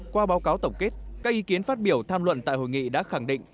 qua báo cáo tổng kết các ý kiến phát biểu tham luận tại hội nghị đã khẳng định